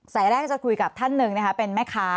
แรกจะคุยกับท่านหนึ่งนะคะเป็นแม่ค้า